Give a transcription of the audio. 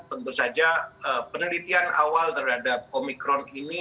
tentu saja penelitian awal terhadap omikron ini